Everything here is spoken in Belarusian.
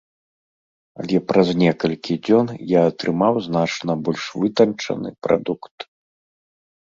Але праз некалькі дзён я атрымаў значна больш вытанчаны прадукт.